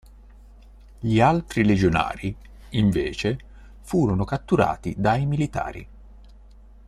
Gli altri Legionari, invece, furono catturati dai militari.